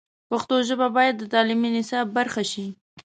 پښتو ژبه باید د تعلیمي نصاب برخه شي.